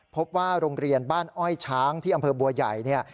พบว่าโรงเรียนบ้านอ้อยช้างที่อำเภอบัวใหญ่เนี่ย